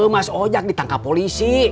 mas ojak ditangkap polisi